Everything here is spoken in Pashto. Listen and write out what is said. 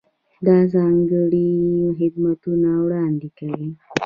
دا ځانګړي خدمتونه وړاندې کوي.